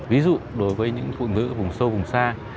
ví dụ đối với những phụ nữ ở vùng sâu vùng xa